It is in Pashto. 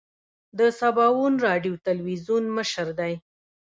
د سباوون راډیو تلویزون مشر دی.